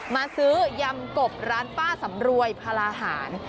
มาซื้อยำกบร้านป้าสำรวยพลาหาร